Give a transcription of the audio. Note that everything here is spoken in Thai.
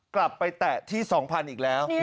กลับไปแตะที่๒๐๐๐อีกแล้ว